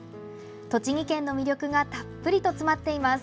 栃木県の魅力がたっぷりと詰まっています。